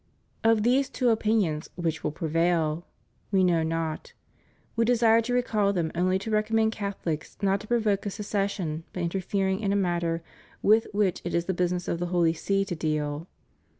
Of these two opinions which will prevail? We know not. We desired to recall them only to recommend CathoHcs not to provoke a secession by interfering in a matter with which it is the business of the Holy See to deal.